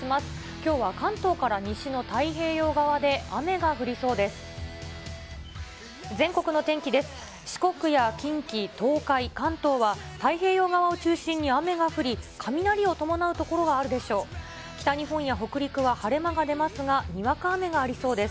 きょうは関東から西の太平洋側で雨が降りそうです。